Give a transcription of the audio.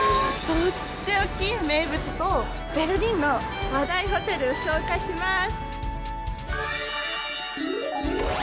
取って置き名物とベルリンの話題のホテル紹介しまーす。